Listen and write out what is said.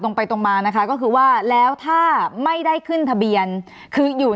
ตรงไปตรงมานะคะก็คือว่าแล้วถ้าไม่ได้ขึ้นทะเบียนคืออยู่